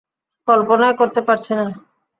কল্পনাই করতে পারছি না।